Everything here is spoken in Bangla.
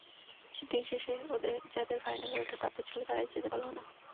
দিন শেষে যাদের ফাইনালে ওঠা প্রাপ্য ছিল, তারাই যেতে পারল না।